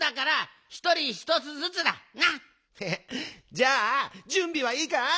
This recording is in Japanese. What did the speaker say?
じゃあじゅんびはいいか？